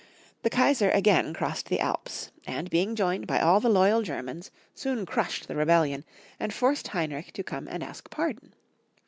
The Kaisar again crossed the Alps, and being joined by aU the loyal Germans, soon crushed the rebellion, and forced Heinrich to come and ask pardon.